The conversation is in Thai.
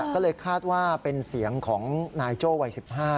ก็เลยคาดว่าเป็นเสียงของนายโจ้วัย๑๕